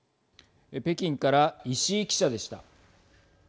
北京から石井記者でした。